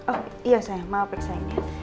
oh iya saya mau periksa ini